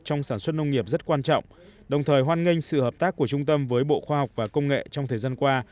trong sản xuất nông nghiệp rất quan trọng đồng thời hoan nghênh sự hợp tác của trung tâm với bộ khoa học và công nghệ trong thời gian qua